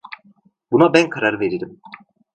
Buna ben karar veririm.